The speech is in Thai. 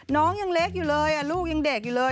น้องยังเล็กอยู่เลยลูกยังเด็กอยู่เลย